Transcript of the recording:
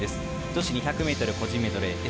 女子２００ｍ個人メドレー